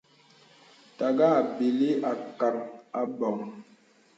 Taŋā à bìlī ākàŋ abɔ̄ŋ.